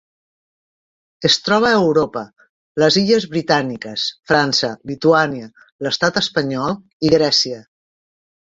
Es troba a Europa: les illes Britàniques, França, Lituània, l'Estat espanyol i Grècia.